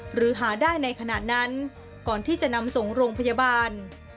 หรือหาได้ในขณะนั้นก่อนที่จะนำส่งโรงพยาบาล